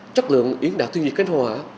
chất lượng yến đảo thiên nhiên cánh hòa